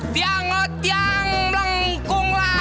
tiang oh tiang melengkung lah